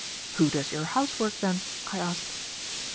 "Who does your house work, then?" I asked.